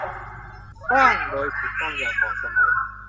สร้างโดยถูกต้องอย่างเหมาะสมัย